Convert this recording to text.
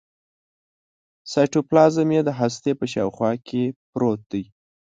سایتوپلازم یې د هستې په شاوخوا کې پروت دی.